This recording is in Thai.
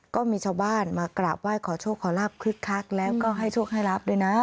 ก็มีชาวบ้านมากราบไหว้ขอโชคขอลาบคึกคักแล้วก็ให้โชคให้รับด้วยนะ